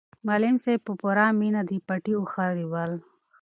معلم صاحب په پوره مینه د پټي واښه رېبل.